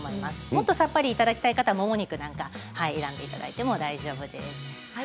もっとさっぱりいただきたい方はもも肉を選んでいただいても大丈夫です。